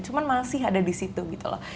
cuma masih ada di situ gitu loh